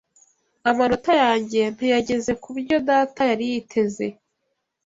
Amanota yanjye ntiyageze kubyo data yari yiteze.